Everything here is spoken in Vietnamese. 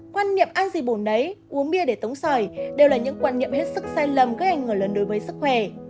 quan niệm ăn gì bùn nấy uống bia để tống sỏi đều là những quan niệm hết sức sai lầm gây ảnh hưởng lớn đối với sức khỏe